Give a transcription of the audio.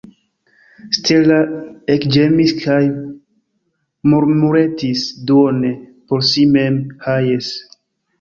Stella ekĝemis kaj murmuretis duone por si mem: « Ha, jes! »